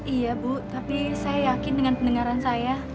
iya bu tapi saya yakin dengan pendengaran saya